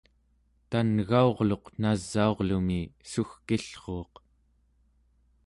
tan'gaurluq nasaurlumi sugkillruuq